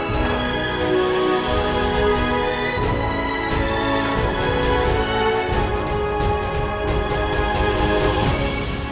sebentar aja ya ma